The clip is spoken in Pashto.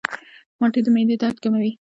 مالټې د معدې درد کموي.